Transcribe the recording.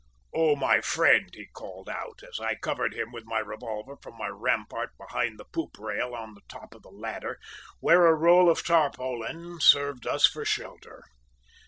"`Oh! my friend,' he called out, as I covered him with my revolver from my rampart behind the poop rail on the top of the ladder, where a roll of tarpaulin served us for shelter.